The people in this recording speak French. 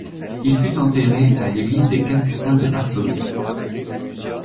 Il fut enterré à l'église des Capucins de Varsovie.